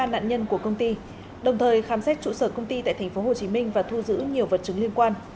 ba nạn nhân của công ty đồng thời khám xét trụ sở công ty tại tp hcm và thu giữ nhiều vật chứng liên quan